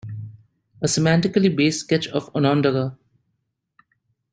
A Semantically Based Sketch of Onondaga.